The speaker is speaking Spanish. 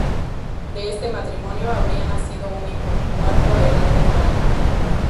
De este matrimonio habría nacido un hijo, muerto a edad temprana.